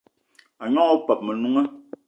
A gnong opeup o Menunga